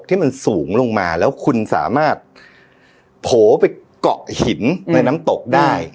ที่มันสูงลงมาแล้วคุณสามารถโผล่ไปเกาะหินในน้ำตกได้